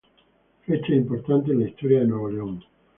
Fechas importantes en la historia de Nuevo León